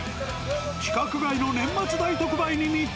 規格外の年末大特売に密着。